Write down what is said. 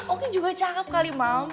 oke juga cakep kali mam